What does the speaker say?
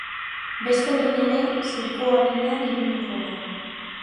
Beste behin ere, zirkua bidean ipiniko da.